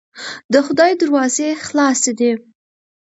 د خدای دروازې خلاصې دي.